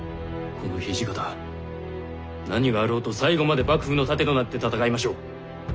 この土方何があろうと最後まで幕府の盾となって戦いましょう。